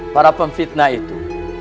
para pemfitnah itu